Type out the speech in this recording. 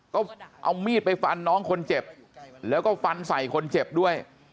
ก็เอามีดไปฟันน้องคนเจ็บแล้วก็ฟันใส่คนเจ็บด้วย